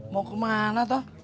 mau kemana tuh